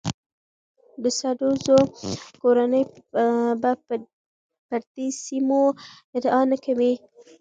د سدوزو کورنۍ به پر دې سیمو ادعا نه کوي.